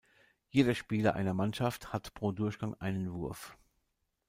Jeder Spieler einer Mannschaft hat pro Durchgang einen Wurf.